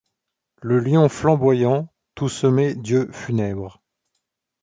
Le lion flamboyant, tout semé d’yeux funèbres